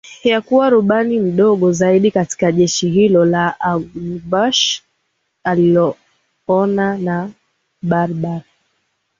ya kuwa rubani mdogo zaidi katika jeshi hilo la anganiBush alioana na Barbara